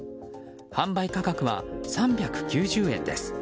販売価格は３９０円です。